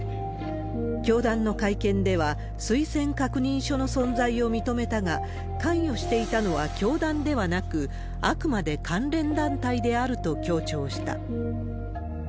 教団の会見では、推薦確認書の存在を認めたが、関与していたのは教団ではなく、あくまで関連団体であると強調した。